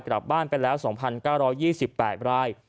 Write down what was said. กลับบ้านไปแล้ว๒๙๒๘ราย